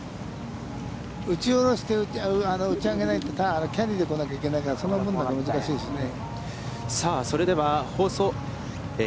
打ち下ろしてる、打ち上げないとキャリーでこないといけないからその分が難しいですね。